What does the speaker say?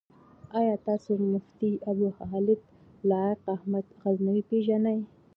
آيا تاسو مفتي ابوخالد لائق احمد غزنوي پيژنئ؟